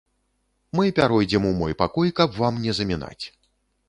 Мы пяройдзем у мой пакой, каб вам не замінаць.